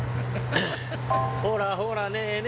ほらほらねえね